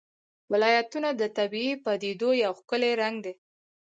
ولایتونه د طبیعي پدیدو یو ښکلی رنګ دی.